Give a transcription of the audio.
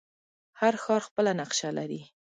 هر ښار خپله نقشه لري.